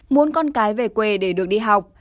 muốn con cái về quê để được đi học